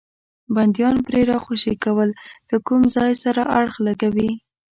بندیان پرې راخوشي کول له کوم ځای سره اړخ لګوي.